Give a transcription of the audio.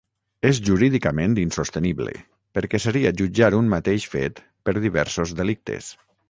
És jurídicament insostenible, perquè seria jutjar un mateix fet per diversos delictes.